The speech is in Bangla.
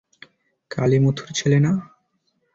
কালিমুথুর ছেলে না?